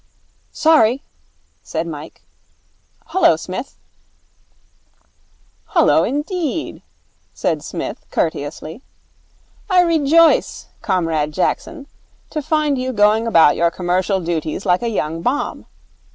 'Sorry,' said Mike. 'Hullo, Smith.' 'Hullo indeed,' said Psmith, courteously. 'I rejoice, Comrade Jackson, to find you going about your commercial duties like a young bomb.